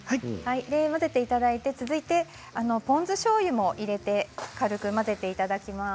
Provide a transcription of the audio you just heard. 混ぜていただいて続いてポン酢しょうゆも入れて軽く混ぜていただきます。